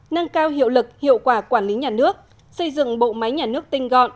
nâng cao hiệu lực hiệu quả quản lý nhà nước xây dựng bộ máy nhà nước tinh gọn